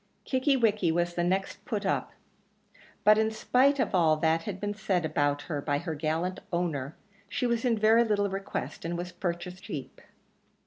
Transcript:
Kickie wickie was the next put up, but in spite of all that had been said about her by her gallant owner, she was in very little request, and was purchased cheap.